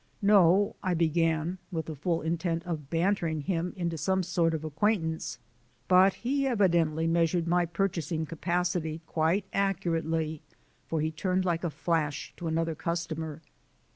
"No," I began, with the full intent of bantering him into some sort of acquaintance; but he evidently measured my purchasing capacity quite accurately, for he turned like a flash to another customer.